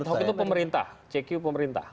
tim ad hoc itu pemerintah cq pemerintah